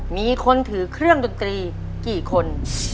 มีคนถือเครื่องดนตรีกี่คน